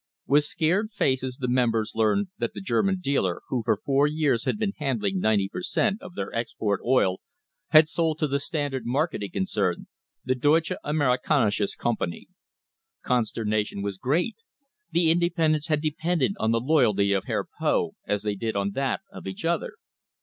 With scared faces the members learned that the Ger man dealer, who for four years had been handling ninety per cent, of their export oil, had sold to the Standard mar keting concern, the Deutsche Amerikanische Company. Con sternation was great. The independents had depended on the loyalty of Herr Poth as they did on that of each other.